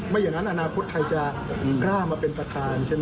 อย่างนั้นอนาคตไทยจะกล้ามาเป็นประธานใช่ไหม